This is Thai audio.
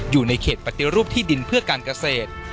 อยู่ในเขตปฏิรูปที่ดินเพื่อการเกษตร